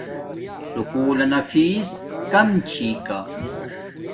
سکُول لنا فیس کم چھی کا